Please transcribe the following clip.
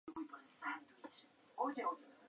Fue hospitalizado y dejó de presentarse por dos años.